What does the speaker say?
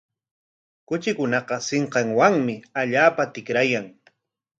Kuchikunaqa sinqanwanmi allpata tikrayan.